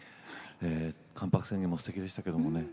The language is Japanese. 「関白宣言」もすてきでしたけれどもね